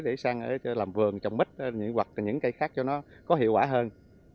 để sang làm vườn trồng mít hoặc là những cây khác cho nó có hiệu quả hơn